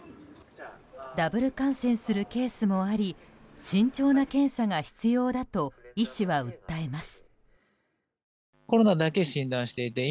ダブル感染するケースもあり慎重な検査が必要だと医師は訴えます。